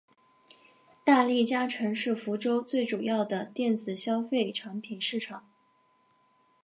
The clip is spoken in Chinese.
大利嘉城是福州最主要的电子消费产品市场。